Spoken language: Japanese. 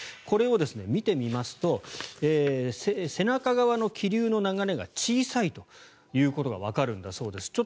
これを見てみますと背中側の気流の流れが小さいということがわかるんだそうです。